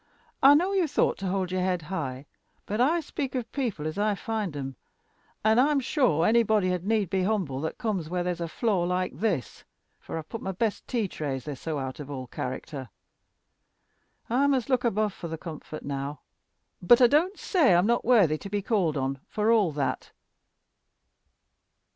I know you're thought to hold your head high, but I speak of people as I find 'em. And I'm sure anybody had need be humble that comes where there's a floor like this for I've put by my best tea trays, they're so out of all character I must look Above for comfort now; but I don't say I'm not worthy to be called on for all that."